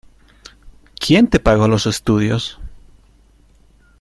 ¿Quién te pagó los estudios?